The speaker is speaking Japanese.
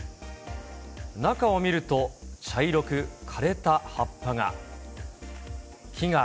中を見ると、茶色く枯れた葉っぱが。